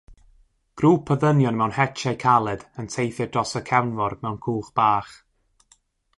Grŵp o ddynion mewn hetiau caled yn teithio dros y cefnfor mewn cwch bach.